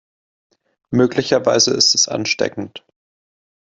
Möglicherweise ist es ansteckend.